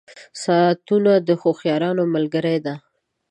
• ساعتونه د هوښیارانو ملګري دي.